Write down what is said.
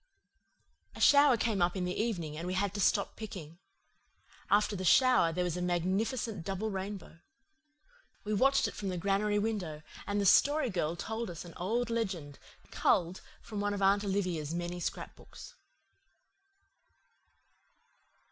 A shower came up in the evening and we had to stop picking. After the shower there was a magnificent double rainbow. We watched it from the granary window, and the Story Girl told us an old legend, culled from one of Aunt Olivia's many scrapbooks.